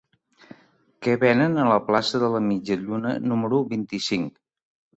Què venen a la plaça de la Mitja Lluna número vint-i-cinc?